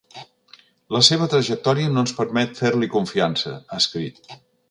La seva trajectòria no ens permet fer-li confiança, ha escrit.